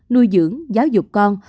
nuôi dưỡng giáo dục con